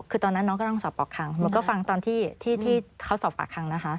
คือตอนนั้นน้องก็ต้องสอบปากคำหนูก็ฟังตอนที่ที่เขาสอบปากคำนะคะ